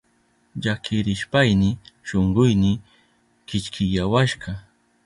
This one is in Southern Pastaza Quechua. Llakirishpayni shunkuyni kichkiyawashka.